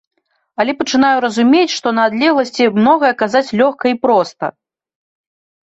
Але пачынаю разумець, што на адлегласці многае казаць лёгка і проста.